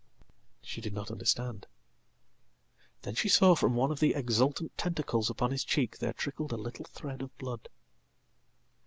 She did not understand. Then she saw from under one of the exultanttentacles upon his cheek there trickled a little thread of blood.